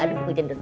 aduh bukacan aduh